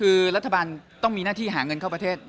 คือรัฐบาลต้องมีหน้าที่หาเงินเข้าประเทศ